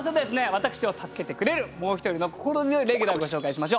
私を助けてくれるもう一人の心強いレギュラーご紹介しましょう。